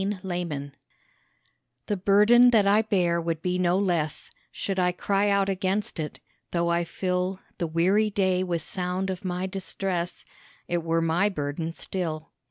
THE BURDEN The burden that I bear would be no less Should I cry out against it; though I fill The weary day with sound of my distress, It were my burden still.